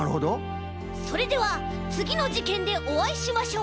それではつぎのじけんでおあいしましょう。